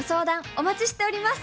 お待ちしております